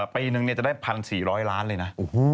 ปีนึงจะได้๑๔๐๐ล้านเลยนะ